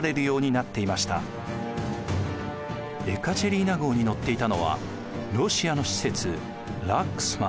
エカチェリーナ号に乗っていたのはロシアの使節ラックスマン。